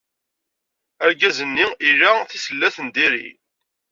Argaz-nni ila tisellat n diri.